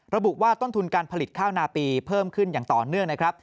ระบุว่าต้นทุนการผลิตข้าวนาปีเพิ่มขึ้นอย่างต่อเนื่องนะครับ